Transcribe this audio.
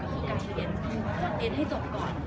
ขอเรียนให้จบก่อน